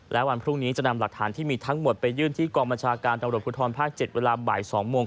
และวันพรุ่งนี้จะนำหลักฐานที่มีทั้งหมดไปยื่นที่กองบัญชาการตำรวจภูทรภาค๗เวลาบ่าย๒โมง